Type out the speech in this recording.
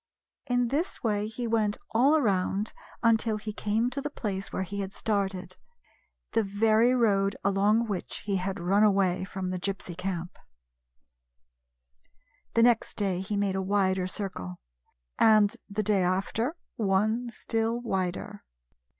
In this way he went all around until he came to the place where he had started — the very road along which he had run away from the Gypsy camp. The next day he made a wider circle ; and the day after one still wider.